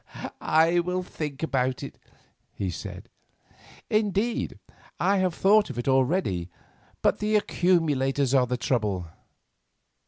"I will think about it," he said; "indeed, I have thought of it already but the accumulators are the trouble."